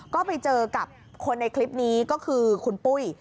ก็ไปเจอกับคนในคลิปนี้ก็คือคุณปุ้ย